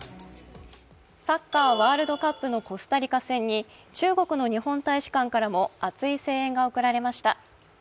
サッカーワールドカップのコスタリカ戦に中国の日本大使館からも熱い声援が送られました。